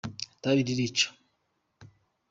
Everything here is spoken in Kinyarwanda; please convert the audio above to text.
itabi ririca.